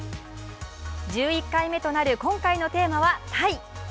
１１回目となる今回のテーマはタイ。